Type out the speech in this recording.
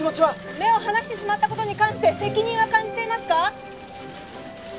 「目を離してしまった事に関して責任は感じていますか？」